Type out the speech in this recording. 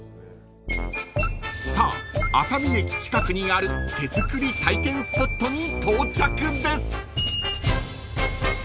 ［さあ熱海駅近くにある手作り体験スポットに到着です］